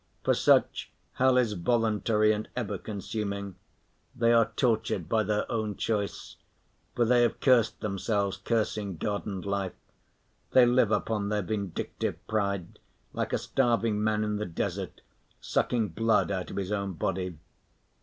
For such, hell is voluntary and ever consuming; they are tortured by their own choice. For they have cursed themselves, cursing God and life. They live upon their vindictive pride like a starving man in the desert sucking blood out of his own body.